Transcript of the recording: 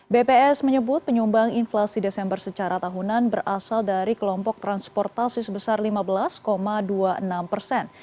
bps menyebut penyumbang inflasi desember secara tahunan berasal dari kelompok transportasi sebesar lima belas dua puluh enam persen